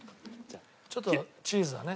ちょっとチーズはね。